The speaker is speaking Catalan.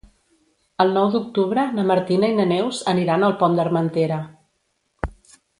El nou d'octubre na Martina i na Neus aniran al Pont d'Armentera.